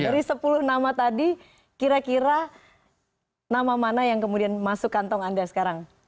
dari sepuluh nama tadi kira kira nama mana yang kemudian masuk kantong anda sekarang